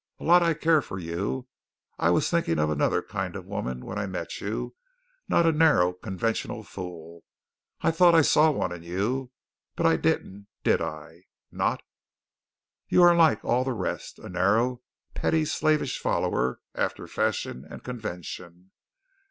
A lot I care for you. I was thinking of another kind of woman when I met you, not a narrow, conventional fool. I thought I saw one in you. I did, didn't I not? You are like all the rest, a narrow, petty slavish follower after fashion and convention.